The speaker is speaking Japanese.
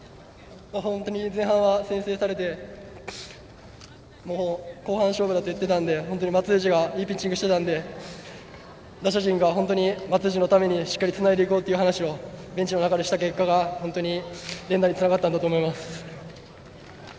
前半は先制されて後半勝負だといってたので本当に松藤がいいピッチングをしていたので打者陣が本当に松藤のためにつないでいこうという話をベンチの中でした結果が連打につながったんだと思います。